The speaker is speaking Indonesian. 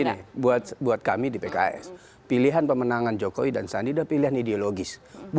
gini buat kami di pks pilihan pemenangan jokowi dan sandi adalah pilihan ideologis